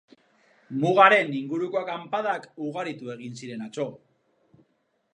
Mugaren inguruko akanpadak ugaritu egin ziren atzo.